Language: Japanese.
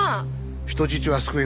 人質は救えない